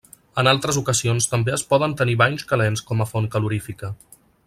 En altres ocasions també es poden tenir banys calents com a font calorífica.